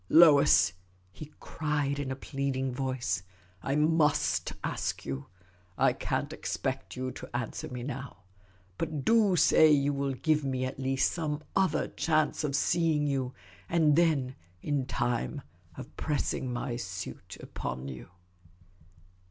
" Lois," he cried, in a pleading voice, " I vtust ask you ; I can't expect you to answer me now, but do say you will give me at least some other chance of seeing you, and then, in time, of pressing my suit upon you."